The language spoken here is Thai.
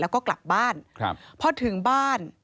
แล้วก็กลับบ้านพอถึงบ้าน